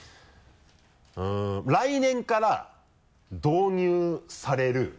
来年から導入される。